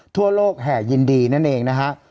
ทั่วโลกแห่ยินดีนั่นเองนะฮะ